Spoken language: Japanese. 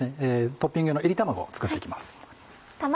トッピングの炒り卵作っていきます。